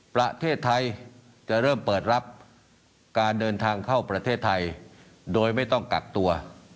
ประเทศไทยจะเริ่มเปิดรับการเดินทางเข้าประเทศไทยโดยไม่ต้องกักตัว